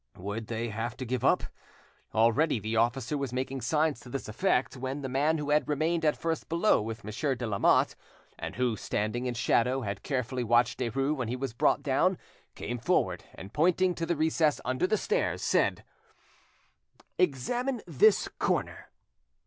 Would they have to give it up? Already the officer was making signs to this effect, when the man who had remained at first below with Monsieur de Lamotte, and who, standing in shadow, had carefully watched Derues when he was brought down, came forward, and pointing to the recess under the stairs, said— "Examine this corner.